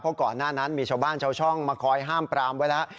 เพราะก่อนหน้านั้นมีชาวบ้านชาวช่องมาคอยห้ามปรามไว้แล้ว